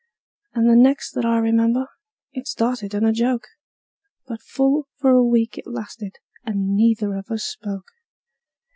And the next that I remember, it started in a joke; But full for a week it lasted, and neither of us spoke.